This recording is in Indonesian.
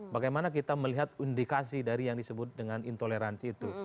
bagaimana kita melihat indikasi dari yang disebut dengan intoleransi itu